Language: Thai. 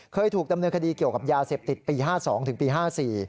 เคยถูกดำเนื้อคดีเกี่ยวกับยาเสพติดปี๕๒๕๔